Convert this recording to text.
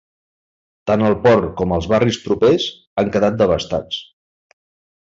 Tant el port com els barris propers han quedat devastats.